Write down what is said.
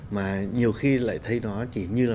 mà nhiều khi lại thấy nó chỉ như là